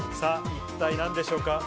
一体何でしょうか？